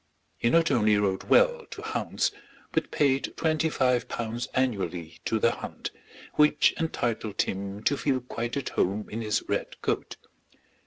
He not only rode well to hounds but paid twenty five pounds annually to the hunt, which entitled him to feel quite at home in his red coat.